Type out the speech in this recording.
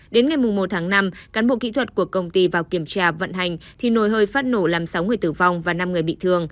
đến ngày một tháng năm cán bộ kỹ thuật của công ty vào kiểm tra vận hành thì nồi hơi phát nổ làm sáu người tử vong và năm người bị thương